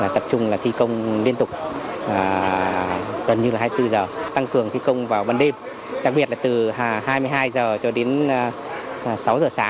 tập trung là thi công liên tục gần như là hai mươi bốn h tăng cường thi công vào ban đêm đặc biệt là từ hai mươi hai h cho đến sáu giờ sáng